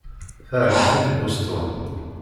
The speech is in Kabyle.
Teɛjeb-itt Boston.